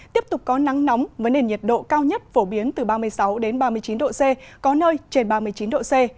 tiếp tục có nắng nóng với nền nhiệt độ cao nhất phổ biến từ ba mươi sáu ba mươi chín độ c có nơi trên ba mươi chín độ c